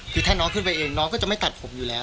คือถ้าน้องขึ้นไปเองน้องก็จะไม่ตัดผมอยู่แล้ว